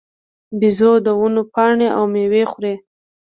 بیزو د ونو پاڼې او مېوې خوري.